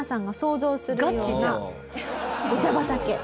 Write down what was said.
お茶畑。